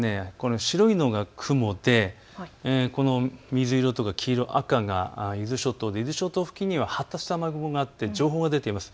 白いのが雲で水色とか黄色、赤が伊豆諸島で伊豆諸島付近には発達した雨雲があって情報が出ています。